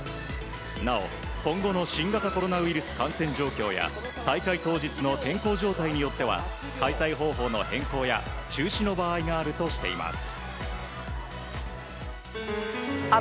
なお、今後の新型コロナウイルス感染状況や大会当日の天候状態によっては開催方法の変更や中止の場合があるとしています。